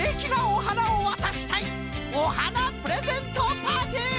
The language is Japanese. おはなプレゼントパーティー！